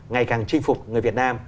ngày càng chinh phục người việt nam